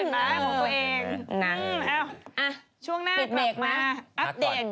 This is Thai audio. เด็กขึ้นแล้วเห็นมั้ยของตัวเอง